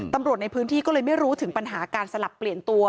ตำรวจในพื้นที่ก็เลยไม่รู้ถึงปัญหาการสลับเปลี่ยนตัว